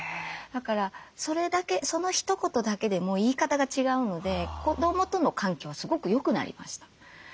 だからそれだけそのひと言だけでも言い方が違うので子どもとの関係はすごく良くなりました。